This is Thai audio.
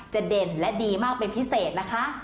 เด่นและดีมากเป็นพิเศษนะคะ